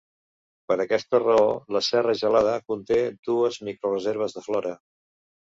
Per aquesta raó, la serra Gelada conté dues microreserves de flora.